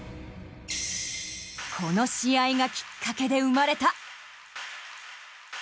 この試合がきっかけで生まれた。